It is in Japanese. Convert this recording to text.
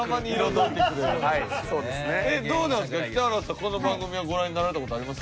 この番組はご覧になられた事あります？